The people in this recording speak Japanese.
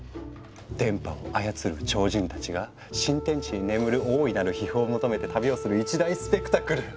電波を操る超人たちが新天地に眠る大いなる秘宝を求めて旅をする一大スペクタクル。